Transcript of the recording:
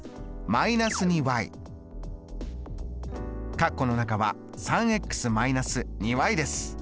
括弧の中は３−２です。